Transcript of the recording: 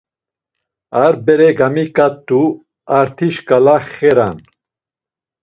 Ar bere gamiǩat̆u, arti şǩala xeran.